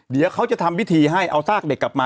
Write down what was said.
เดี๋ยวเขาจะทำพิธีให้เอาซากเด็กกลับมา